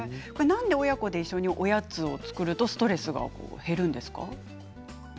何で親子で一緒におやつを作るとストレスが減るんですか？